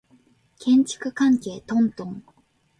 建築関係トントン